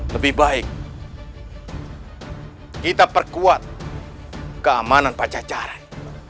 lebih baik kita perkuat keamanan pajajaran